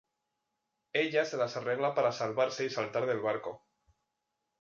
Ella se las arregla para salvarse y saltar del barco.